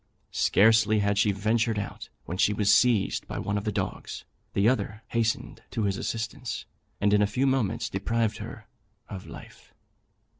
Scarcely had she ventured out, when she was seized by one of the dogs; the other hastened to his assistance, and in a few moments deprived her of life.